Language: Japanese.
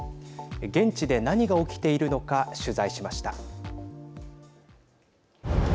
現地で何が起きているのか取材しました。